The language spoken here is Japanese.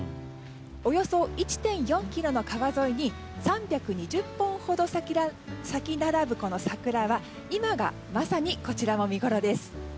およそ１．４ｋｍの川沿いに３２０本ほど咲き並ぶ桜が今が、まさにこちらも見頃です。